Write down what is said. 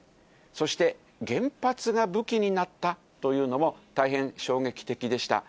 そして原発が武器になったというのも、大変衝撃的でした。